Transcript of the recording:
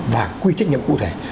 và quy trách nhiệm cụ thể